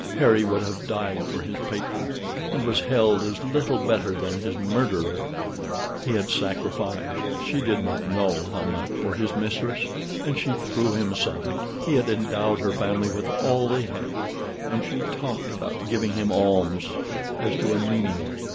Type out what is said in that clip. Harry would have died for his patron, and was held as little better than his murderer: he had sacrificed, she did not know how much, for his mistress, and she threw him aside; he had endowed her family with all they had, and she talked about giving him alms as to a menial!